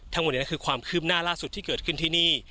ทั้งหมดนี้คือความคืบหน้าล่าสุดที่เกิดขึ้นที่นี่